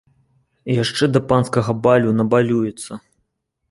Яшчэ да панскага балю набалюецца!